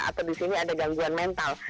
atau di sini ada gangguan mental